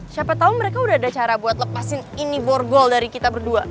siapa tau mereka udah ada cara buat lepasin ini borgol dari kita berdua